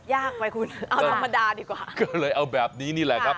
ยากไหมคุณเอาธรรมดาดีกว่าก็เลยเอาแบบนี้นี่แหละครับ